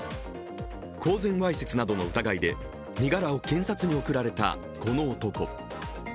公然わいせつなどの疑いで身柄を検察に送られたこの男。